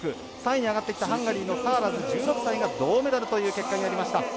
３位に上がってきたハンガリーのサーラズ、１６歳が銅メダルという結果になりました。